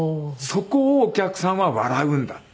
「そこをお客さんは笑うんだ」って。